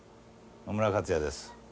野村克也です。